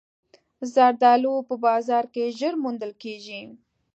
زردالو په بازار کې ژر موندل کېږي.